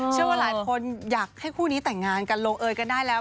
เชื่อว่าหลายคนอยากให้คู่นี้แต่งงานกันลงเอยกันได้แล้ว